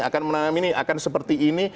akan menanam ini akan seperti ini